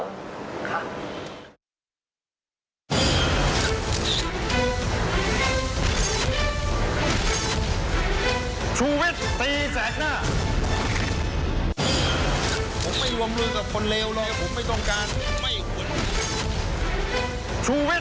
ละครน้องเมียงลำบากมันเป็นเรื่องมีจำนวน